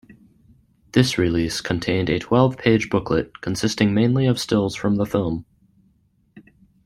This release contained a twelve-page booklet consisting mainly of stills from the film.